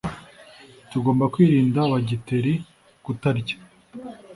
Tugomba kwirinda bagiteri kutarya.